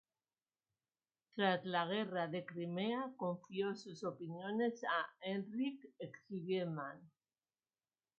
Tras la guerra de Crimea, confió sus opiniones a Heinrich Schliemann.